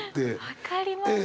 分かります。